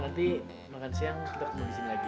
nanti makan siang kita kembali di sini lagi